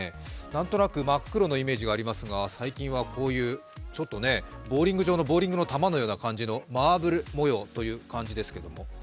何となく真っ黒のイメージがありますが、最近はこういうちょっとボウリング場のボウリングの玉のようなマーブル模様という感じですけど。